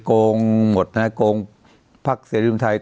โรงพรรคเศรษฐฤทธิ์ไทย